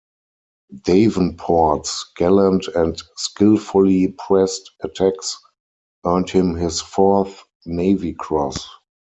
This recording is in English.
Davenport's gallant and skillfully pressed attacks earned him his fourth Navy Cross.